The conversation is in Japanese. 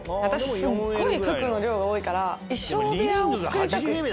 すっごい服の量が多いから衣装部屋を作りたくって。